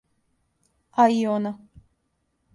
А и она.